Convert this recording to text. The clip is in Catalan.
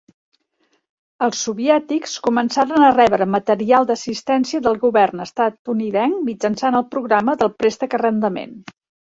Els soviètics començaren a rebre material d'assistència del govern estatunidenc mitjançant el programa del Préstec-Arrendament.